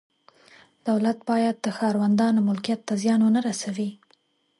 دولت باید د ښاروندانو ملکیت ته زیان نه ورسوي.